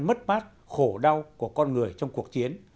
mất mát khổ đau của con người trong cuộc chiến